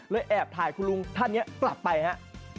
แอบถ่ายคุณลุงท่านนี้กลับไปฮะ